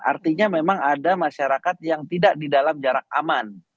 artinya memang ada masyarakat yang tidak di dalam jarak aman